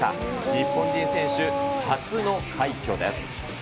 日本人選手初の快挙です。